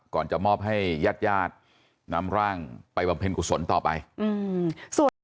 จะมอบให้ญาติญาตินำร่างไปบำเพ็ญกุศลต่อไปอืมส่วน